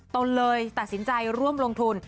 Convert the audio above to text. ตนเลยตัดสินใจร่วมลงทุน